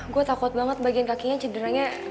gue takut banget bagian kakinya cederanya